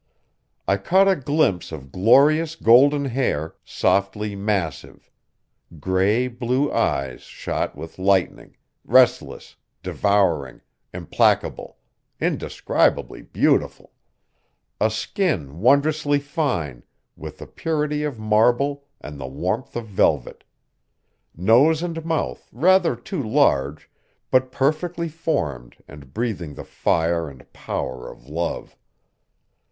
I caught a glimpse of glorious golden hair, softly massive; gray blue eyes shot with lightning, restless, devouring, implacable, indescribably beautiful; a skin wondrously fine, with the purity of marble and the warmth of velvet; nose and mouth rather too large, but perfectly formed and breathing the fire and power of love.